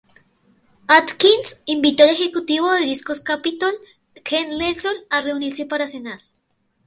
Atkins invitó al ejecutivo de Discos Capitol Ken Nelson a reunirse para cenar.